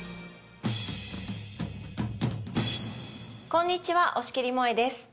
こんにちは押切もえです。